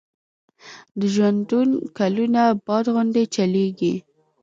د ژوندون کلونه باد غوندي چلیږي